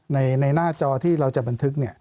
ในหน้าจอที่เราจะบันทึก